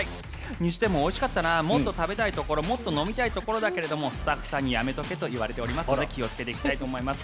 にしてもおいしかったなもっと食べたいところもっと飲みたいところだけどスタッフさんにやめとけと言われていますので気をつけていきたいと思います。